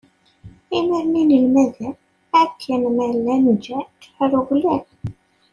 Imiren inelmaden, akken ma llan, ǧǧan-t, rewlen.